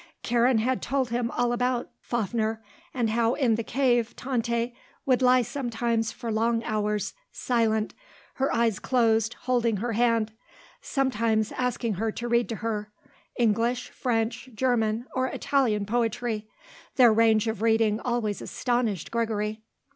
Karen had told him all about Fafner and how, in the cave, Tante would lie sometimes for long hours, silent, her eyes closed, holding her hand; sometimes asking her to read to her, English, French, German or Italian poetry; their range of reading always astonished Gregory.